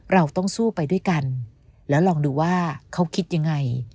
เราต้องสู้ไปด้วยกันแล้วลองดูว่าเขาคิดยังไง